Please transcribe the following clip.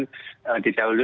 dijauh dulu oleh